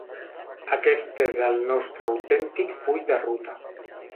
Aquest és el nostre autèntic full de ruta.